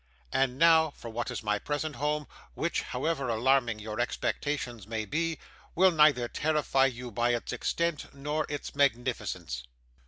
And now, for what is my present home, which, however alarming your expectations may be, will neither terrify you by its extent nor its magnificence!